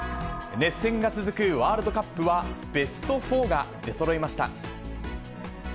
熱戦が続くワールドカップは、ベスト４が出そろいました。